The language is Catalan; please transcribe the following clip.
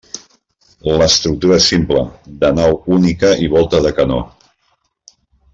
L'estructura és simple, de nau única i volta de canó.